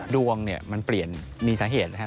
ดวงเนี่ยมันเปลี่ยนมีสาเหตุนะครับ